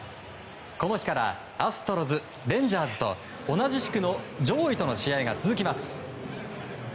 この日からアストロズ、レンジャーズと同じ地区の上位との試合が続きます。